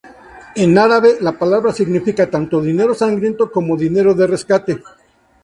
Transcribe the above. En árabe, la palabra significa tanto dinero sangriento como dinero de rescate.